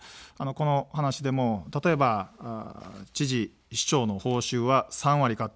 この話でも例えば、知事の報酬は３割カット。